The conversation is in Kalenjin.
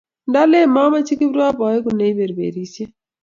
Ndalen machame Kiprop aeku neaperperisyei